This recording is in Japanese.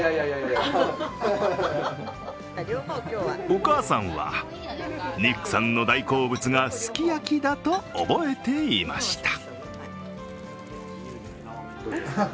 お母さんはニックさんの大好物がすき焼きだと覚えていました。